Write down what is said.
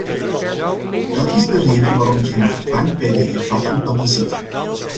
Dit is de reden waarom ik hem vervang bij de hervatting van de zitting.